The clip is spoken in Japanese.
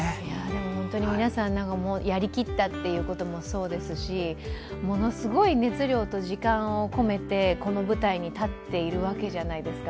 本当に皆さん、やりきったということもそうですしものすごい熱量と時間を込めてこの舞台に立っているわけじゃないですか。